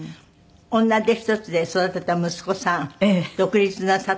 女手一つで育てた息子さん独立なさって。